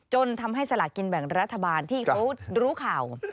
จนทำให้สลากินแบ่งรัฐบาลที่เขารู้ข่าว